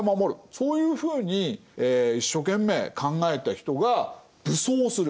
そういうふうに一生懸命考えた人が武装する。